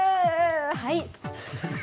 はい。